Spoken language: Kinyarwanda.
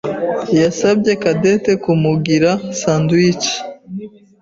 yasabye Cadette kumugira sandwich.